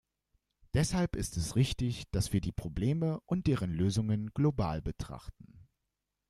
Deshalb ist es richtig, dass wir die Probleme und deren Lösungen global betrachten.